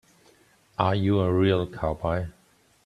Are you a real cowboy?